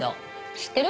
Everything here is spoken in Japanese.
知ってる？